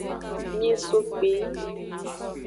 Nyin so kpeyi.